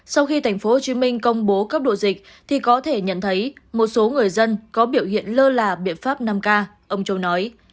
sau khi tp hcm công bố cấp độ dịch thì có thể nhận thấy một số người dân có biểu hiện lơ là biện pháp năm k ông châu nói